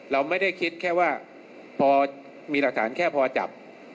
เราไม่ได้คิดแค่ว่าพอมีหลักฐานแค่พอจับ